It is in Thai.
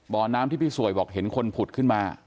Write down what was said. บ่อน้ำที่พี่สวยบอกเห็นคนผุดขึ้นมา